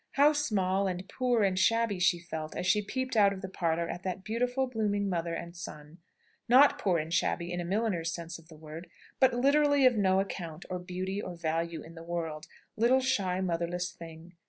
How small, and poor, and shabby she felt, as she peeped out of the parlour at that beautiful, blooming mother and son! Not poor and shabby in a milliner's sense of the word, but literally of no account, or beauty, or value, in the world, little shy motherless thing!